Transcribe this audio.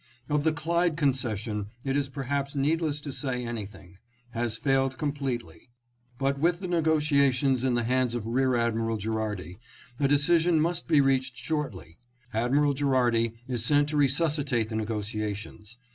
" Of the Clyde concession it is perhaps needless to say anything, ... has failed completely. ... But with the negotiations in the hands of Rear Admiral Gherardi a decision must be reached shortly. Admiral Gherardi is sent to resusci tate the negotiations.